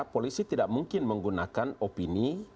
polisi tidak mungkin menggunakan opini